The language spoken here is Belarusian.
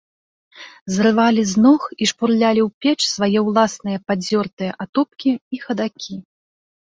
Зрывалі з ног і шпурлялі ў печ свае ўласныя падзёртыя атопкі і хадакі.